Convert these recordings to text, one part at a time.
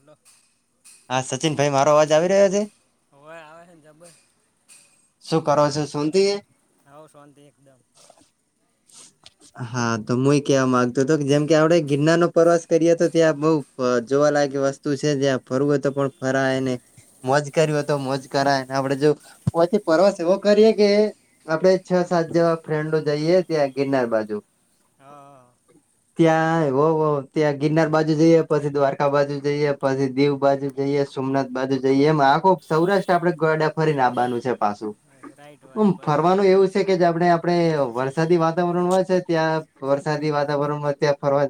Hello હા સચિન ભાઈ મારો અવાજ આવી રહ્યો છે? હોવે આવેને જ બ શું કરો છ શોન્તી હે હાવ શાંતિ એકદમ. [inaudible] હા તો હું એ કેવા માંગતો હતો જેમ કે આપડે ગિરનાર નો પ્રવાસ કરીએ તો ત્યાં બઉ જોવાલાય વસ્તુ છે જ્યાં ફરવ હોય તો પણ ફરાય ને મોજ કરવા તો મોજ કરાય આપડે જો પછી પ્રવાસ એવો કરીએ કે આપડે છ હા સાત જેવા ફ્રેન્ડો જઈયએ ત્યાં ગિરનાર બાજુ હા હ ત્યાં હો હો ત્યાં ગિરનાર બાજુ જઈએ પછી દ્વારકા બાજુ જઈએ પછી દીવ બાજુ જઈએ સોમનાથ બાજુ જઈએ એમ આખો સૌરાષ્ટ્ર આપડે ગાડા ફરીનેવાનું છે પાછું રાઈટ વાત હમ પછી ફરવાનું એવું કે જે આપણે આપણે વરસાદી વાતાવરણમાં હોયે છે ત્યાં વરસાદી વાતાવરણમાં ત્યાં ફરવા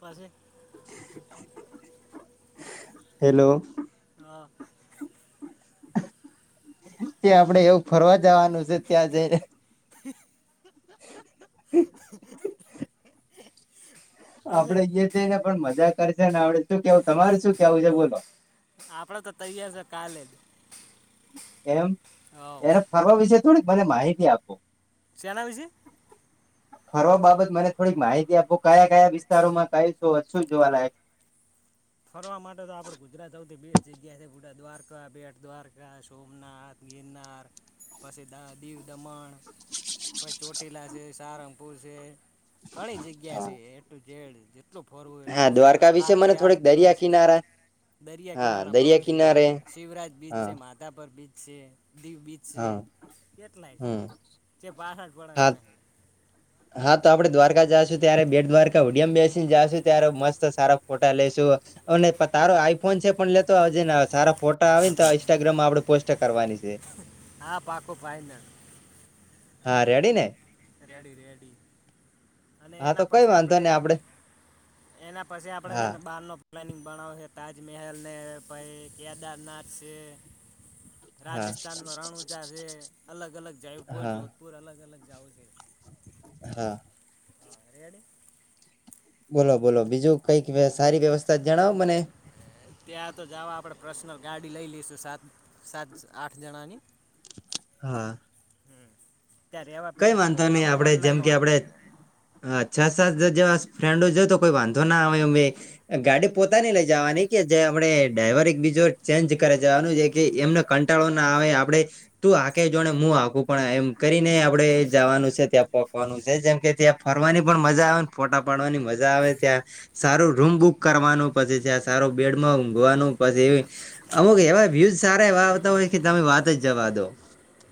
પાશે હેલો હા ત્યા આપડે એવું ફરવા જવાનું છે ત્યાં જઈને [inaudible] પછી આપડે ઈ જ ને પણ મજા કરશે ને આપડે શું કેવું તમાર શું કેવું છે બોલો આપડે તો તૈયાર છે કાલે જ એમ હા એને ફરવા વિશે થોડીક મને માહિતી આપો શે ના વિશે [inaudible] ફરવા બાબત મને થોડીક માહિતી આપો કયા કયા વિસ્તારોમાં કઈ શું શું જોવા લયક છે ફરવા માટે તો આપણે ગુજરાત સૌથી બેસ્ટ જગ્યા છે બુટા દ્વારકા બેટ દ્વારકા સોમનાથ ગિરનાર પછી દીવ દમણ પછ ચોટીલા છે સારંગપુર છે ઘણી જગ્યા છે એ તો જેડ જેટલું ફરવું હા એટલું છે દ્વારકા વિશે હાટ મને થી આઠ થોડીક દરિયા દિવસ કિનારા દરિયા હા કિનારા બોહ દરિયા છે કિનારે શિવરાજ બીચ હા છે મા તા પર બીચ છે દીવ બીચ છે હા કેટલા છે હમ તે પાછાડ પડ હા નહ હા તો આપડે દ્વારકા જશું ત્યારે બેટ દ્વારકા હોડીયા મા બેસીને જાશું ત્યારે મસ્ત સારા ફોટા લઈશું અને તારો આઈફોન છે પણ લે તો અવાજે સારા ફોટા આવે ને તો ઇન્સ્ટાગ્રામમાં આપડે પોસ્ટ કરવાની છે હા પાકો ફાઇનલ હા રેડી ને રેડી રેડી અને હા તો એના કઈ પછી વાંધો આપડે નઈ એના પછી આપડે છે હા ને બહાર નો પ્લાનિંગ બનાવ છે તાજમહેલ ને પાઈ કેદારનાથ શે હા રાજસ્થાનમાં રણ ઊંચા છે અલગ અલગ જયપુર હા જોધપુર અલગ અલગ જવું છે [inaudible] હા રેડી બોલો બોલો બીજું કઈક બ- સારી વ્યવસ્થા જણાવો મને ત્યાં તો જવા આપડે પર્સનલ ગાડી લઈ લઈશું સાત સાત આઠ જણાની હા હ ત્યાં રેવા કઈ પીવા તો વાંધો બધું આપડ ઓનલાઈન ઓ છા સાટ ફ્રેન્ડો જ તો કોઈ વાંધો ના આવે અમે ગાડી પોતાની લઈ જવાની કે જે આપણે ડ્રાઈવર એક બીજો ચેન્જ કરે છેવાનું જે કે એમને કંટાળો ના આવે આપડે તું આખે જોણે હું આકું પણ એમ કરીને આપડે જવાનું છે ત્યાં પોકવાનું છે જેમ કે ત્યાં ફરવાની પણ મજા આવે ને ફોટા પાડવાની મજા આવે ત્યાં સારું રૂમ બુક કરવાનું પછી સારો બેડમાં ઊઘવાનું પછી એવી અમુક એવા વ્યુઝ સારા એવા આવતા હોય કે તમે વાત જ જવા દો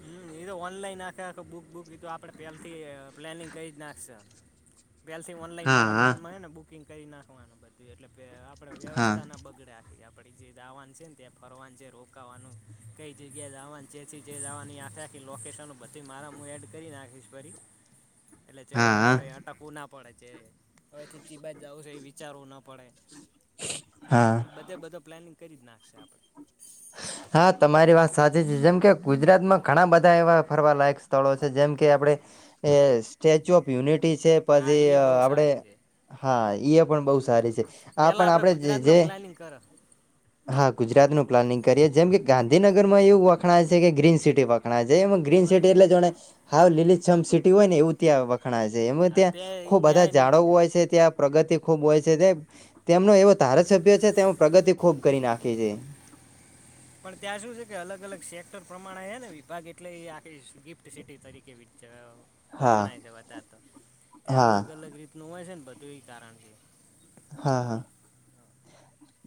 હમ એ તો ઓનલાઈન આખે આખે બુક બુક એતો આપડે પહેલાથી પ્લાનિંગ કરી જ નાખશે. પેથી ઓનલાઈન હા મારા હા ફોન માં છે ને બુકિંગ કરી નાખવાનું બધું એટલે આપણે હા વ્યવસ્થાના બગડેથી આપણે જે દાવાન છે ને ત્યા ફરવાન છે રોકાવાનું કઈ જગ્યા દવાન જેથી જે દાવાની આે લોકેશન પછી મારા હું એડ કરી નાખીશ પરી એટલે હા જે હા આપણે ટકવું ના પડે છે હવેથી ચીબા જવું છે એ વિચારવું ના પડે. હા. એટલે બધે બધો પ્લાિંગ કરી જ નાખશે આપણે હા તમારી વાત સાચી છે જેમ કે ગુજરાતમાં ઘણા બધા એવા ફરવા લાયક છે. સ્થળો છે જેમ કે આપડણે એ સ્ટેચ્યુ ઓફ યુનિટી છે હા પછી એ બહુ આપડે સારી છે હા એ પણ બહુ સારી છે આ પેલા પણ આપડે આપણે ગુજરાત નો જે પ્લાનિંગ કરો હા ગુજરાત નું પ્લાનિંગ કરીએ જેમ કે ગાંધીનગર માં એવું વખણાય છે કે ગ્રીન સિટી ગ્રીન હોય સિટી એટલે હાવ લીલીમ સિટી હોય ને એવું ત્યાં ણા છે એમાં હા ત્યાં ખુબ બધા ત્યાં જાડવ હોય છે ત્યાં પ્રગતિ ખુબ હોય છે તે તેમનો એવો ધારાસભ્ય છે તેમ પ્રગતિ ખૂબ કરી નાખી છે. પણ ત્યાં સુું છે કે અલગ અલગ સેક્ટર પ્રમાણે છે ને વિભાગ એટલે આ ગિફ્ટ સિટી તરીકે હા વખણાય છે વધાર તો ત્યાં હા અલગ અલગ રીતનું હોય છે ને બધું એ કારણ કે હા હા.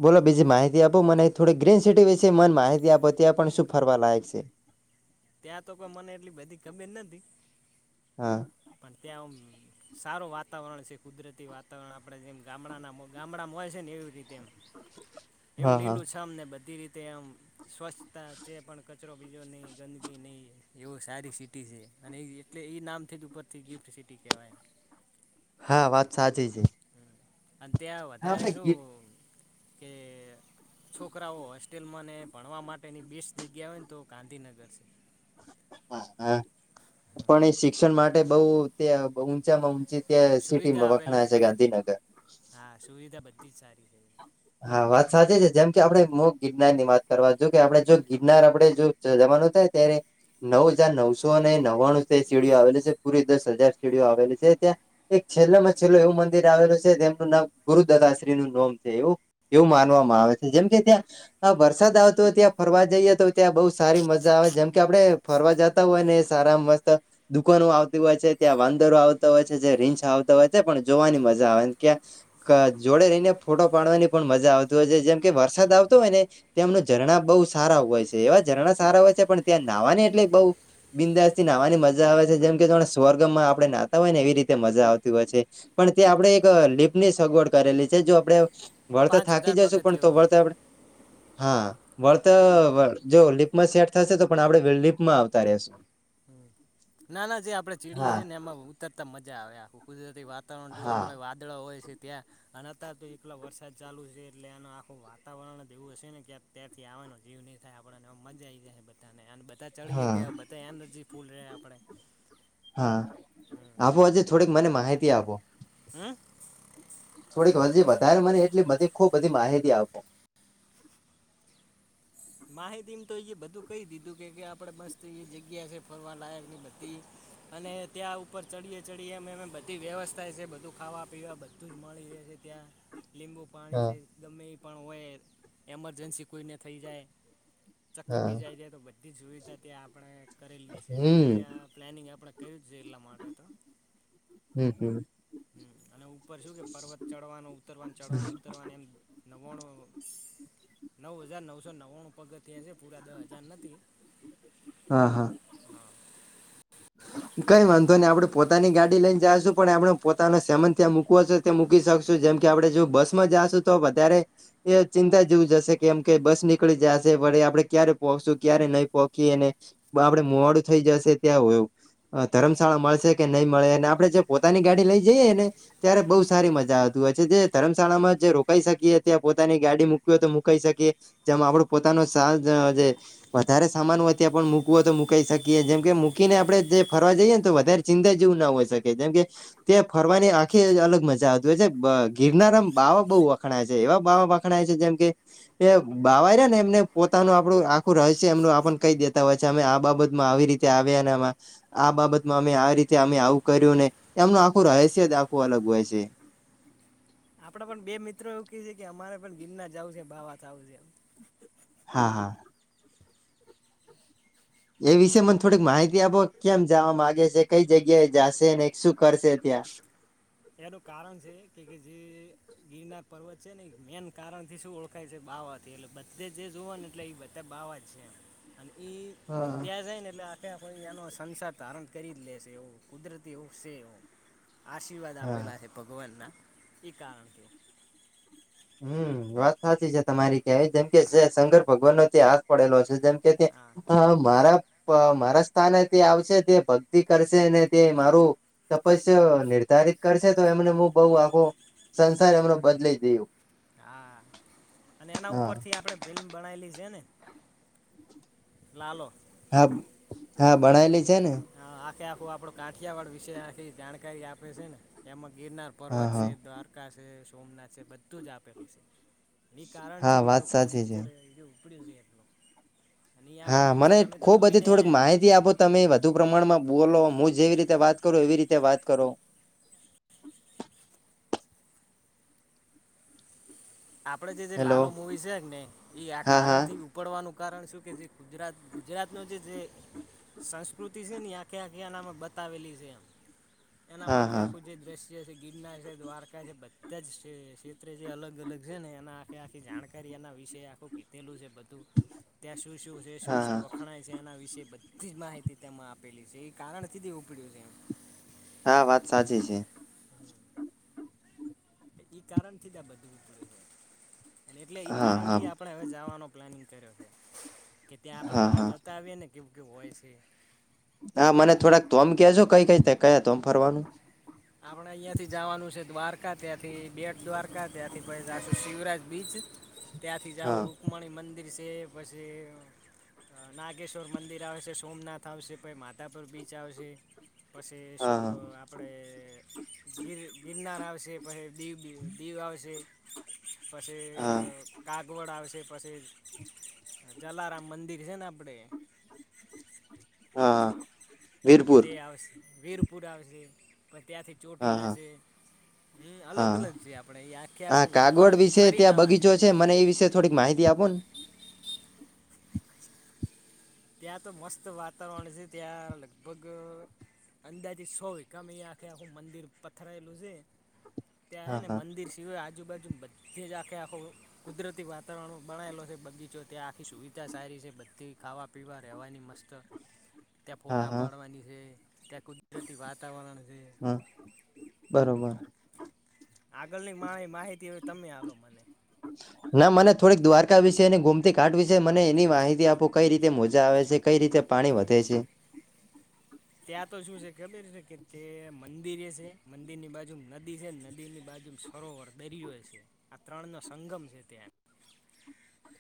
બોલો બીજી માહિતી આપો મને થોડી ગ્રીન સિટી વિશે મને માહિતી આપો તે્યા પણ શું ફરવા લાયક છે? ત્યાં તો કોઈ મને એટલી બધી ખબીર નથી હા પણ ત્યાં હમ સારું વાતાવરણ છે કુદરતી વાતાવરણ આપણેે જેમ ગામડાના ગામડામાં હોય છે ને એવી રીતે એમ [inaudible] એવું લીલું છે આમને બધી રીતે આમ સ્વચ્છતા છે પણ કચરો બીજો નહી ગંદકીી નહીં એવો સારી સિટી છે અને એ એટલે એ નામથી જ ઉપરથી ગિફ્ટ સિટી કહેવાય હા વાત સાચી છે. અને ત્યાં હા વધારે ભાઈ શું ગીર કે? છોકરાઓ હોસ્ટેલમાંને ભણવા માટેની બેસ્ટ જગ્યા હોય ને તો ગાંધીનગર છે હા હા પણ એ શિક્ષણ માટે બહ તે ઊંચામાં ઊંચી ત્યાં સિટી સુવિધા માં આપેલી વખણ છે ગાંધીનગર હા સુવિધા બધી જ સારી છે. હા વાત સાચે છે જેમ કે આપડે મોગ ગિરનાર ની વાત કરવા જો કે આપે જો ગિરનાર આપડે જો જો જવાનું થાય ત્યારે નવ હજાર નવસોને નવ્વાણું સીડીઓ આવેલી છે પૂરી દસ હજાર સીડીઓ આવેલી છે ત્યાં એક છેલ્લા માં છેલ્લ એવું મંદિર આવેલું છે જેમનું નામ ગુરુદત્તાાશ્રી નું નોમ છે એવું એવું માનવામાં આવે છે જેમ કે ત્યાં વરસાદ આવતો ત્યાં ફરવા જઈએ તો ત્યાં બહુ સારી મજા આવે જેમ કે આપડે ફરવા જતા હોય ને એ સારા મસ્ત દુકાનો આવતી હોય છે ત્યાં વાંદરો આવતા હોય છે રીંછા આવતા હોય છે પણ જોવાની મજા આવે ક્યાં જોડે રહીને ફોટો પાડવાની પણ મજા આવતી હોય છે જેમ કે વરસાદ આવતો હોય ને તેમના ઝરણા બહુ સારા હોય છે એવા ઝરણા સારા હોય છે પણ ત્યાં નાહવા એટલે બહુ બિંદાસ થી નાહવાની મજા આવે છે જેમ કે સ્વર્ગમાં આપણે નાહતા હોય ને એવી રીતે મજા આવતી હોય છે. પણ તે આપડણે એક લીપની સગવડ કરેલી છે જો આપડણે વળત પાંચ થાકી હજાર જશુ પણ તો પગથિયાઓથી વળત આપડ હા વળત જો લીપમાં સેટ થશે તો પણ આપડે લીપમાં આવતા રશું ના ના જે આપડે ચીડીએ હા છે ને એમાં ઉતરતા મજા આવે આ કુદરતી વાત વાતાવરણ જોવા હા મળે વાદળા હોય છે ત્યાં અને અતાર તો એકલા વરસાદ ચાલુ છે એટલે આનું આખું વાતાવરણ જ એવું હશે ને ક્યા ત્યારથી આવવાનો જીવ નહીં થાય આપણને મજા આવી જાય બધાને અને બધા જ ચડીએ હા કે બધા એનજી ફૂલ રહે આપણે હા હમ આપો આજે થોડીક મને માહિતી આપો [unintelligible] થોડીક હજી વધારે મને એટલે બધી ખુબ બધી માહિતી આપો. માહિતીમાં તો એ બધું કહી દીધું કે આપડે મસ્ત એ જગ્યા છે ફરવા લયકની બધી અને ત્યાં ઉપર ચડીએ ચડીએ એમ એમ બધી વ્યવસ્થા છે, બધું ખાવા પીવા, બધુંજ મળી રેહ છે ત્યાં લીંબુ પાણી હા છે ગમે એ પણ હોય એમરજન્સી કોઈને થઈ જાય. ચક્કર હા બીજાય જાય તો બધી સુવિધા ત્યા આપણે કરેલી છે તે તે હમ ત્યાં પ્લાનિંગ આપણે કર્યું જ છે એટલા માટે તો હમ હમ હમ્મ અને ઉપર શું કે પર્વત ચડવાનું ઉતરવાનું, ચડવાનું ઉતરવાનું એમ નવ્વાણું, નવ હજાર નવસો નવ્વાણું પગથયા છે, પૂરા દ હજાર નથી. હા, હા. કઈ વાંધો નહી આપડે પોતાની ગાડી લઈ ને જાશું પણ આપડ પોતાનો સામન ત્યાં મૂકવો હશે તે મૂકી શકશું જેમકે આપડે જો બસમાં જાશું તો વધારે એ ચિંતા જેવું જ હશે કેમકે બસ નીકળી જશે, પણ આપડે ક્યારે પોહખશું ક્યારે નહીં પહોંખી એને બ આપડે મોડું થઈ જશે ત્યાં [unintelligible] ધરમશાળા મળશે કે નહી મળે અને આપડે જે પોતાની ગાડી લઈ જઈએ ને, ત્યારે બહુ હમ સારી મજા આવ [unintelligible] જે ધરમશાળામાં જે રોકાઈ શકીએ, ત્યાં પોતાની ગાડી મૂકી હો તો મુકાઈ શકીએ જેમાં આપડું પોતાનું [unintelligible] જે વધારે સામાન હોય ત્યાં પણ મૂકવું હોય, તો મુકાઈ શકીએ જેમકે મૂકીને આપડે જે ફરવા જઈએ ને તો વધારે ચિંતા જેવું ના હોય શકે જેમકે તે ફરવાની આંખી અલગ મજા આવતી હો છે, ગિરનારામ બાવા બહુ વખણાય છે, એવા બાવા વખણાય છે જેમકે એ બાવાયા ને એમને પોતાનું આપડુ આખું રહસ્ય એમનું આપણે કહી દેતા હોય છે, અમે આ બાબતમાં આવી રીત ત્યાં આવ્યાનામાં આ બાબતમાં અમે આ રીતે અમે આવું કર્યું ને, એમનું આખું રહસ્યજ આખું અલગ હોય છે. આપડે પણ બે મિત્રો એવું કે છે કે અમારે પણ ગિરનાર જવું છે, ભાવા થવું છે. હા, હા. એ વિશે મને થોડીક માહિતી આપો કેમ જવા માંગે છે, કઈ જગ્યાએ જશે ને શું કરશે ત્યાં? એનું કારણ છે કે કે જે ગીરના પર્વત છે ને મેન કારણથી શું ઓળખાય છે, બાવાથી એટલે બધે જે જોવોને એટલે એ બધે ત્યાં બાવા જ છે અને ઈ હા ત્યાં જાય ને એટલે ત્યાં પછી એનો સંસાર ધારણ કરી જ લેશે એવું, કુદરતી એવું છે એવ આશીર્વાદ હા પહેલા હે ભગવાનના એ કારણકે હમ્મ, વાત હાચી છે તમારી કેવી જેમકે જે શંકર ભગવાન નો ત્યા હાથ પડેલો છે જેમકે તે હા મારા મારા સ્થાને તે આવશે તે ભગ થી કરશે ને તે મારું તપસ્યા નિર્ધારિત કરશે તો એમને હું બહ આખો સંસાર એમનો બદલાઈ દવ હા અને એના ઉપરથી આપડે ફિલ્મ બનાયલી છે ને, લાલો. હા હા ભણાયલી છે ને. હ આખે આખું આપડ કાઠિયાવાડ વિશે આખી જાણકારી આપે છે ને એમાં ગિરનાર હા પર્વત છે હા દ્વારકા છે સોમનાથ છે બધું જ આપેલું છે. એની કારણ હા થી જ વાત હીજ સાચી છે પિક્ચરું ઉપડ્યું છે એટલ. હા મને ખુબ બધી જોઈને થોડીક આયા માહિતી આપો. તમે વધુ પ્રમાણમાં બોલો હું જેવી રીતે વાત કરું એવી રીતે વાત કરો. આપણેે જે જે હેલો લાલ મૂવી છે ને એ આ હા હા કારણથી પડવાનું કારણ શું કે જે ગુજરાત ગુજરાતનો જે જે સંસ્કૃતિ છે ને આખે આખ્યા બતાવેલી છે એમ. એના હા માખ હા આખું જે દ્રશ્ય છે ગિરનાર છે દ્વારકા છે બધા જ ક્ષેત્રે છે અલગ અલગ છે ને એના આખે આખી જાણકારી એના વિષ આખું કીધેલું છે બધું, ત્યાં શું શું શું હા શું હા વખણાય છે એના વિશે બધી જ માહિતી તેમાં આપેલી છે એ કારણ કધી ઉપડ્યું છે એમ. હા વાત સાચી છે. ઈ કારણથી જ આ બધું નીકળ્યું હે અને એટલે ઈ હા હા કારણથી આપણે હવે જાવાનો પ્લાનિંગ કર્યો છે. કે ત્યાં આપણે હા હા જતા આવીએ ને કેવું કેવું હોય છે. હા મને થોડાક ધોમ કેજો કઈ કઈ રીતે કયા ધોમ ફરવાનું. આપડે અહિયાંથી જાવાનું છે દ્વારકા ત્યાંથી બેટદ્વારકા ત્યાંથી પછી જાશું શિવરાજ બીચ ત્યાંથી જાઓ હા રુકમણી મંદિર સે પછે અ નાગેશ્વર મંદિર આવેસે સોમનાથ આવશે પહી માધાપર બીચ આવેસે. પછે શો હા હા આપડે ગીર ગિરનાર આવશે પહે દીવબી દીવ આવશે પસે હા અ કાગવડ આવશે પસે જલારામ મંદિર છે ને આપણે હહ હહ તે આવશ વીરપુર આવશે પણ ત્યાંથી હા ચોટીલા હા સે, હમ અલગ હા અલગ છે આપણે એ આખે આખું ફ ફરીને આવાનું. કે મને એ વિશે થોડીક માહિતી આપોને. ત્યાં તો મસ્ત વાતાવરણ છે ત્યાં લગભગ અંદાજે સો વિકામાં એ આખે આખું મંદિર પથરાયેલું સે. ત્યાં હા હે ને હા મંદિર સિવાય આજુબાજુ બધે જ આખે આખો કુદરતી વાતાવરણ બનાયેલો હે બગીચો ત્યાં આખી સુવિધા સારી છે બધી ખાવા પીવા રેવાની મસ્ત ત્યાં હા ફોટા હા પાડવાની હે ત્યાં કુદ કુદરતી વાતાવરણ છે. હ બરોબર. આગળની મા માહિતી હવે તમે આલો મને હ ના મને થોડીક દ્વારકા વિશે અને ગોમતી ઘાટ વિશે મને એની માહિતી આપો કઈ રીતે મોજા આવે છે કઈ રીતે પાણી વધે છે. ત્યાં તો શું સે કે ખબર છે કે તે મંદિરે છે મંદિરની બાજુમાં નદી છે નદીની બાજુમાં સરોવર દરિયો છે. આ ત્રણનો સંગમ છે ત્યાં.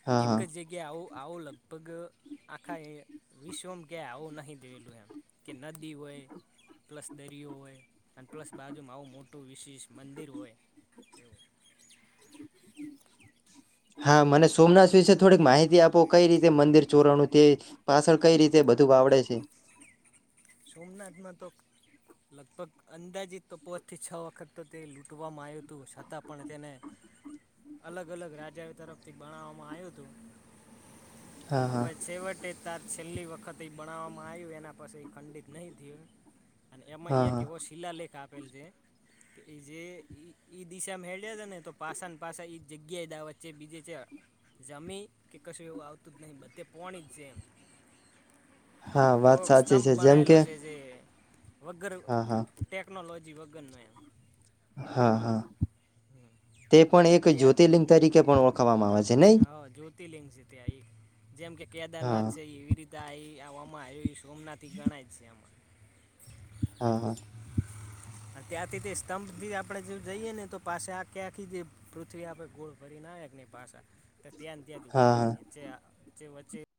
હા એક હા જ જગ્ ગયા આવો આવો લગભગ આખા એ વિશ્વમાં ક્યાય આવો નહીં જોયેલો એમ. કે નદી હોય પ્લસ દરિયો હોય અને પ્લસ બાજુમાં આવું મોટું વિશેષ મંદિર હોય એવું હોય. હા મને સોમનાથ વિશે થોડીક માહિતી આપો કઈ રીતે મંદિર ચોરાણું તે પાસળ કઈ રીતે બધું વાવડે છે. સોમનાથમાં તો લગભગ અંદાજીત ત પોત થી છ વખત તો તે લૂંટવામાં આયું તું છતાં પણ તેને હ અલગ અલગ રાજા તરફથી બણાવવામાં આયું તું. હા હા પછ છેવટે અતાર છેલ્લી વખત ઈ બનાવવામાં આયું એના પસે ખંડિત નહીં થયું. અને એમાં હા એક એવો હા શિલાલેખ આપેલ છે. ઈ જે ઈ ઈ દિશામાં હેડ્યા તા ને તો પાસાને પાસા ઈ જગ્યાએ દા વચ્ચે બીજે ચ્યા જમી કે કશું એવું આવતું જ નહી બધે પોણી જ સે. હા વાત સાચ સ્તંભ બણાયેલો છે જે વગર હા હા ટેકનોલોજી વગરનો એમ. હા હા તે પણ એક ત્યાં જ્યોતિર્લિંગ તરીકે પણ ઓળખાવામાં આવે છે નહી? તિલિંગ છે ત્યાં ઈ જેમ કે હા કેદારનાથ સે, એવી રીતે આઈ આવામાં આયો ઈ સોમનાથ તી ગણાય સે આમાં હા હા હહ ત્યાંથી તે સ્તંભ ભી આપણે જો જઈએ ને તો પાસા આખે આખી જે પૃથ્વી આપે ગોળ ફરીને આયા કે ની પાસા તો ત્યાંને ત્યાં જ હા ઉભા હા રહે ત્યાં તે વચ્ચે